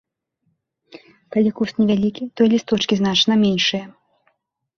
Калі куст невялікі, то лісточкі значна меншыя.